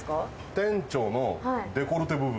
店長のデコルテ部分。